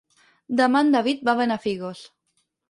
Demà en David va a Benafigos.